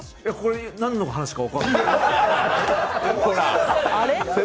何の話か分からない。